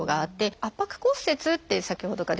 圧迫骨折って先ほどから出てます